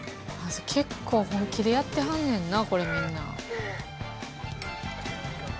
結構本気でやってはんねんなこれみんな。